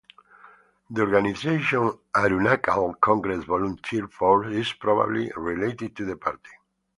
The organization Arunachal Congress Volunteer Force is probably related to the party.